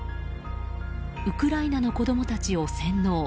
ウクライナの子供たちを洗脳。